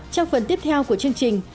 trong phần tiếp theo của chương trình